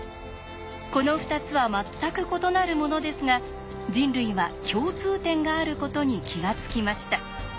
この２つは全く異なるものですが人類は共通点があることに気が付きました。